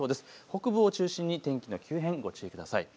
北部を中心に天気の急変ご注意ください。